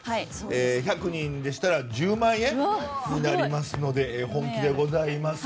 １００人でしたら１０万円になりますので本気でございます。